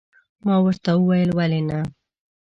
ما ورته وویل، ولې نه.